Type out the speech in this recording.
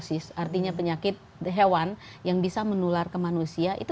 mungkin masyarakat enggak menyadari bahwa potensi penularan penyakit zoonosis